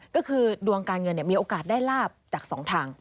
ก็คือดวงการเงินมีโอกาสได้ลาบจาก๒ทาง